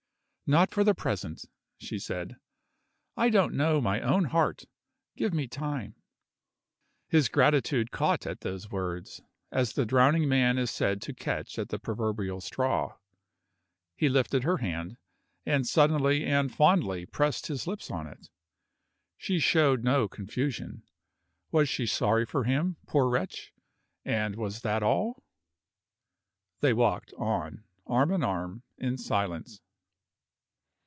"Not for the present," she said. "I don't know my own heart. Give me time." His gratitude caught at those words, as the drowning man is said to catch at the proverbial straw. He lifted her hand, and suddenly and fondly pressed his lips on it. She showed no confusion. Was she sorry for him, poor wretch! and was that all? They walked on, arm in arm, in silence.